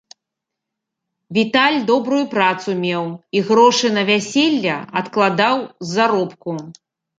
Віталь добрую працу меў, і грошы на вяселле адкладаў з заробку.